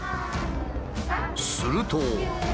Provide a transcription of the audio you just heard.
すると。